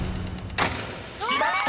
［きました。